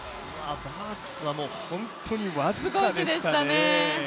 バークスは本当に僅かでしたね。